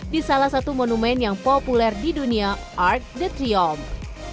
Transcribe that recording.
di salah satu monumen yang populer di dunia arc de triomphe